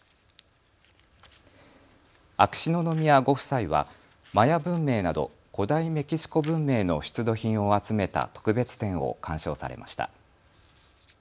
秋篠宮ご夫妻はマヤ文明など古代メキシコ文明の出土品を集めた特別展を鑑賞されました。